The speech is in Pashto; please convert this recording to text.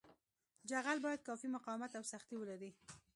جغل باید کافي مقاومت او سختي ولري